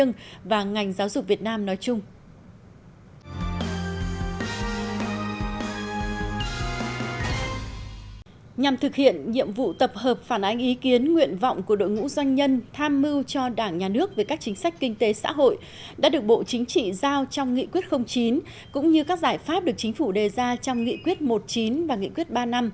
nhằm thực hiện nhiệm vụ tập hợp phản ánh ý kiến nguyện vọng của đội ngũ doanh nhân tham mưu cho đảng nhà nước về các chính sách kinh tế xã hội đã được bộ chính trị giao trong nghị quyết chín cũng như các giải pháp được chính phủ đề ra trong nghị quyết một mươi chín và nghị quyết ba mươi năm